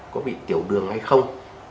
có bị tiểu đường hay không